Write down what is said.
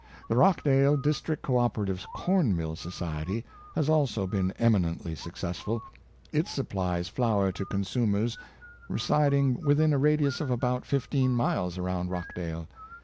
The Rochdale District Co operative Corn mill Society has also been eminently successful. It supplies flour to consumers re siding within a radius of about fifteen miles around Rochdale.